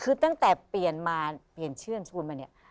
คือตั้งแต่เปลี่ยนมาเปลี่ยนชื่อนามสกุลมาเนี่ย